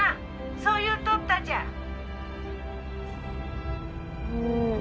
☎そう言うとったじゃうん